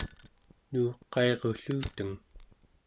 nuuqairulluteng